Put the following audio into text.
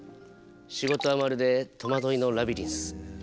仕事はまるでとまどいのラビリンス。